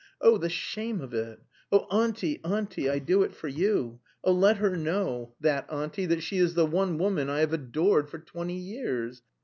Oh, the shame of it! Oh, Auntie, Auntie, I do it for you!... Oh, let her know, that Auntie, that she is the one woman I have adored for twenty years!